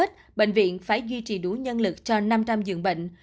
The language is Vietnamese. ngày tết bệnh viện phải duy trì đủ nhân lực cho năm trăm linh dường bệnh